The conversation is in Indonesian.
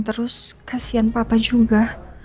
terus kasihan papa juga